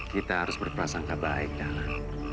kita harus berperasangkah baik dalam